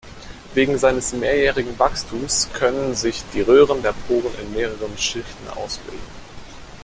Wegen seines mehrjährigen Wachstums können sich die Röhren der Poren in mehreren Schichten ausbilden.